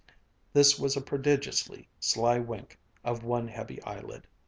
This with a prodigiously sly wink of one heavy eyelid.